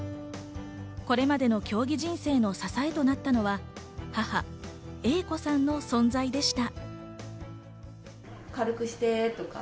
これまでの競技人生の支えとなったのは、母・英子さんの存在でした。